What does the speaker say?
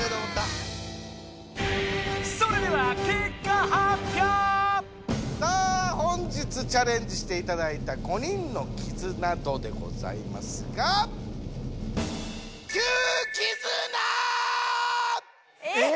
それではさあ本日チャレンジしていただいた５人のキズナ度でございますがえ？